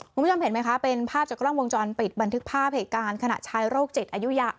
คุณผู้ชมเห็นไหมคะเป็นภาพจากกล้องวงจรปิดบันทึกภาพเหตุการณ์ขณะชายโรคจิตอายุ